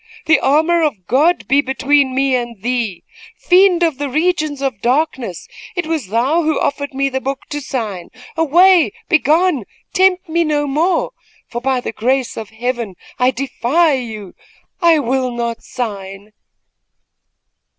The armor of God be between me and thee! Fiend of the regions of darkness, it was thou who offered me the book to sign. Away! begone! tempt me no more, for, by the grace of Heaven, I defy you! I will not sign!"